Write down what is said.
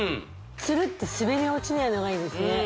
ツルって滑り落ちないのがいいですね